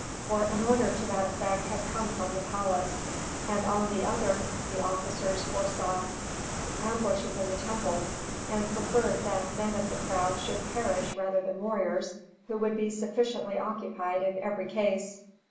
For an order to that effect had come from the palace; and on the other the officers foresaw ambushes in the temples, and preferred that men of the crowd should perish rather than warriors, who would be sufficiently occupied in every case.